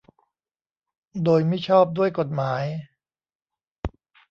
โดยมิชอบด้วยกฎหมาย